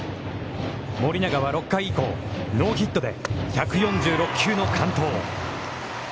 盛永は６回以降ノーヒットで１４６球の完投。